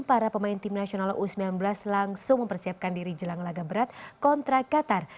para pemain tim nasional u sembilan belas langsung mempersiapkan diri jelang laga berat kontra qatar